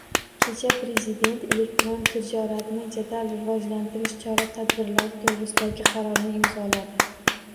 Kecha prezident elektron tijoratni jadal rivojlantirish chora-tadbirlari to'g'risidagi qarorni imzoladi.